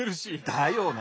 だよな？